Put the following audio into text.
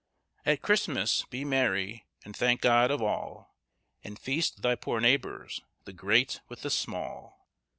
"At Christmas be mery, and thanke god of all; And feast thy pore neighbours, the great with the small."